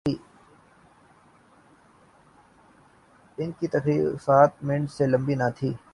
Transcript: ان کی تقریر سات منٹ سے لمبی نہ تھی۔